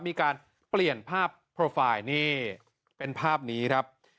มีการเปลี่ยนภาพโปรไฟล์นี่เป็นภาพนี้ครับ